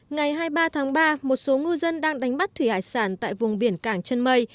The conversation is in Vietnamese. ngày hai mươi ba tháng ba một số ngư dân đang đánh bắt thủy hải sản tại vùng biển cảng chân mây